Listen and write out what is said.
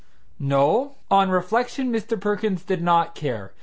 No; on reflection Mr. Perkins did not care.